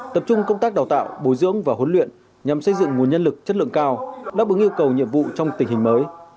tập trung công tác đào tạo bồi dưỡng và huấn luyện nhằm xây dựng nguồn nhân lực chất lượng cao đáp ứng yêu cầu nhiệm vụ trong tình hình mới